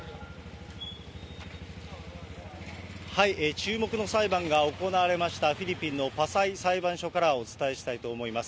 注目の裁判が行われました、フィリピンのパサイ裁判所からお伝えしたいと思います。